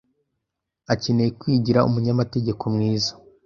akeneye kwigira umunyamategeko mwiza.